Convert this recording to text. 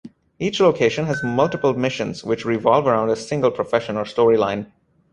Each location has multiple missions, which revolve around a single profession or storyline.